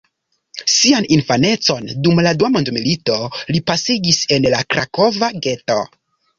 Sian infanecon dum la Dua Mondmilito li pasis en la Krakova geto.